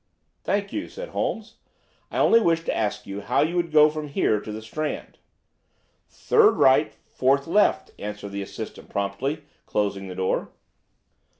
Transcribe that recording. "Thank you," said Holmes, "I only wished to ask you how you would go from here to the Strand." "Third right, fourth left," answered the assistant promptly, closing the door.